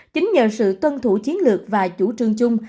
chính nhờ sự tuân thủ chiến lược và chủ trương chung